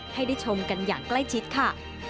ให้ได้ชมกันอย่างใกล้ชิดค่ะ